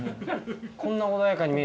こんな穏やかに見えて。